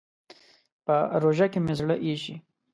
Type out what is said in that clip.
په روژه کې مې زړه اېشي.